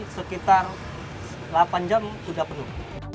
sekitar delapan jam sudah penuh